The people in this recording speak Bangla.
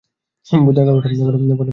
ভূতের গল্পটা বলেই চলে যাব।